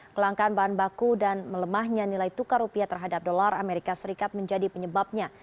kelangkaan bahan baku dan melemahnya nilai tukar rupiah terhadap dolar amerika serikat menjadi penyebabnya